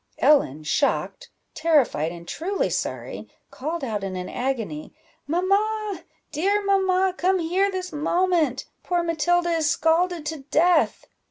Ellen, shocked, terrified, and truly sorry, called out in an agony "Mamma, dear mamma, come here this moment! poor Matilda is scalded to death!"